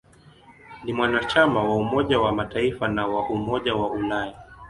Ni mwanachama wa Umoja wa Mataifa na wa Umoja wa Ulaya.